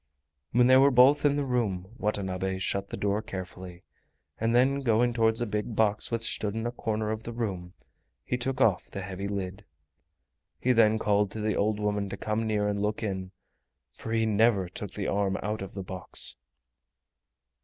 When they were both in the room Watanabe shut the door carefully, and then going towards a big box which stood in a corner of the room, he took off the heavy lid. He then called to the old woman to come near and look in, for he never took the arm out of the box.